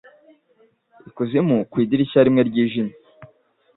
Ikuzimu ku idirishya rimwe ryijimye;